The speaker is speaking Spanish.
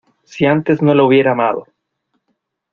Si antes no la hubiera amado.